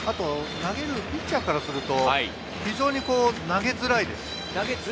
ピッチャーからすると非常に投げづらいです。